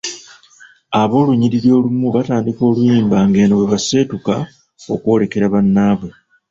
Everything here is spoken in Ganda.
Ab’olunyiriri olumu batandika oluyimba ng’eno bwe baseetuka okwolekera bannaabwe.